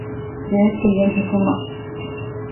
ގެއެއް ކުއްޔަށް ހިފުމަށް